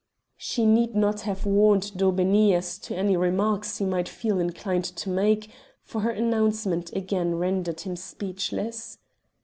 She need not have warned Daubeney as to any remarks he might feel inclined to make, for her announcement again rendered him speechless.